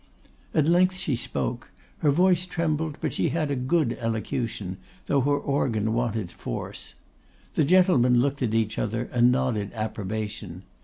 At length she spoke; her voice trembled, but she had a good elocution, though her organ wanted force. The gentlemen looked at each other, and nodded approbation.